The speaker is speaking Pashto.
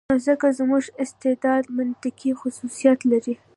نو ځکه زموږ استدلال منطقي خصوصیت لري.